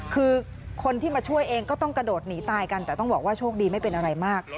คือคนที่มาช่วยเองก็ต้องกระโดดหนีตายกันแต่ต้องบอกว่าโชคดีไม่เป็นอะไรมาก